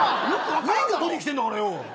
免許取りに来てるんだからよ。